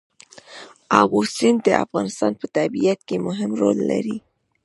آمو سیند د افغانستان په طبیعت کې مهم رول لري.